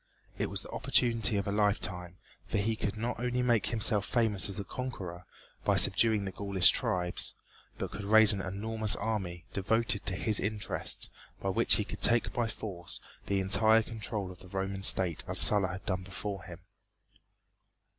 It was the opportunity of a lifetime, for he could not only make himself famous as a conqueror by subduing the Gaulish tribes, but could raise an enormous army, devoted to his interests, by which he could take by force the entire control of the Roman State as Sulla had done before him.